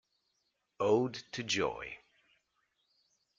"Ode to Joy".